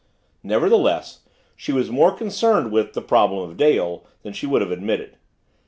Nevertheless, she was more concerned with "the problem of Dale" than she would have admitted.